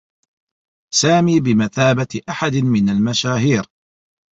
سامي بمثابة أحد من المشاهير.